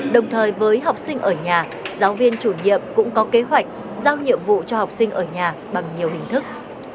đồng thời với học sinh ở nhà giáo viên chủ nhiệm cũng có kế hoạch giao nhiệm vụ cho học sinh ở nhà bằng nhiều hình thức